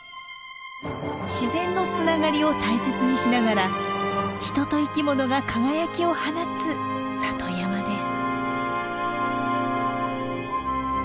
自然のつながりを大切にしながら人と生き物が輝きを放つ里山です。